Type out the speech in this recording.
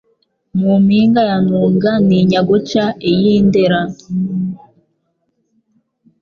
Mu mpinga ya NtungaNtinya guca iy' i Ndera